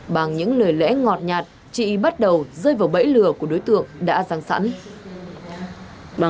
bằng những lời lẽ ngọt nhạt chị bắt đầu rơi vào bẫy lừa của đối tượng đã răng sẵn